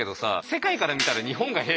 世界から見たら日本が「へ」